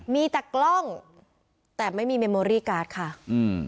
มีแต่กล้องแต่ไม่มีเมมโอรี่การ์ดค่ะอืม